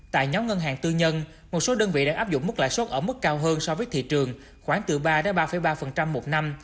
tại nhóm ngân hàng tư nhân một số đơn vị đã áp dụng mức lại suất ở mức cao hơn so với thị trường khoảng từ ba ba ba phần trăm một năm